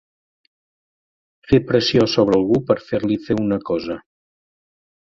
Fer pressió sobre algú per fer-li fer una cosa.